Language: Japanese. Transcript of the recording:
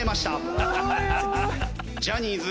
ジャニーズ